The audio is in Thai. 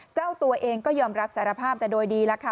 เจ้าตัวเองก็ยอมรับสารภาพแต่โดยดีแล้วค่ะ